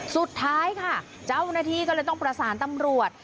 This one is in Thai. สุดท้ายค่ะเจ้าหน้าที่ก็เลยต้องประสานตำรวจ